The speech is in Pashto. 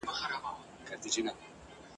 یو پر بل یې جوړه کړې کربلا وه ..